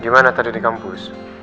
gimana tadi di kampus